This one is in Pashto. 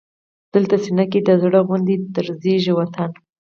دلته سینه کې دی د زړه غوندې درزېږي وطن